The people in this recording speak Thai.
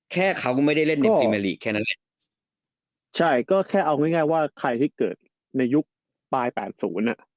แค่เขาไม่ได้เล่นในพรีเมอร์ลีกแค่นั้นใช่ก็แค่เอาง่ายง่ายว่าใครที่เกิดในยุคปลายแปดศูนย์อ่ะ